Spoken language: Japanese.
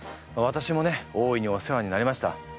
私もね大いにお世話になりました。